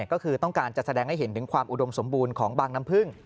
ก็คือต้องการจะแสดงให้เห็นถึงความอุดมสมบูรณ์ของบางน้ำพึ่ง